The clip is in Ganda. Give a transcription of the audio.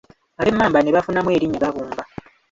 Ab'emmamba ne bafunamu erinnya Gabunga.